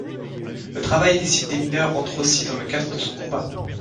Le travail illicite des mineurs rentre aussi dans le cadre de son combat.